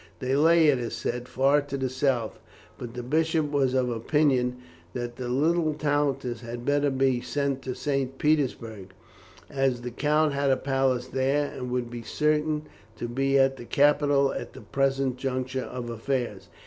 They lay, it said, far to the south, but the bishop was of opinion that the little countess had better be sent to St. Petersburg, as the count had a palace there, and would be certain to be at the capital at the present juncture of affairs.